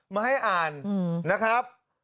มาให้อ่านนะครับ